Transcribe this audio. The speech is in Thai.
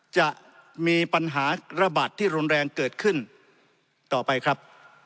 จะมีปัญหาระบาดที่รุนแรงเกิดขึ้นต่อไปครับ